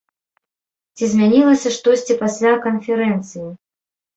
Ці змянілася штосьці пасля канферэнцыі?